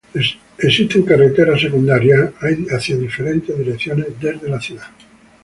Existen carreteras secundarias hacia diferentes direcciones desde la ciudad.